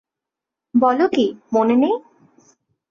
বল কী, মনে নেই?